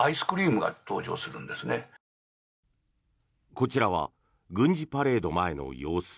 こちらは軍事パレード前の様子。